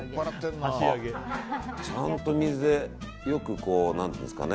ちゃんと水よく何ていうんですかね。